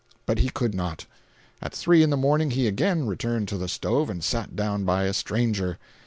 But he could not. At three in the morning he again returned to the stove and sat down by a stranger.